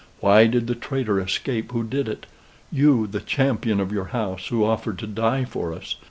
Why did the traitor escape who did it? You, the champion of your house, who offered to die for us!